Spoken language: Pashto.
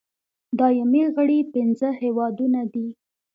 دایمي غړي پنځه هېوادونه دي.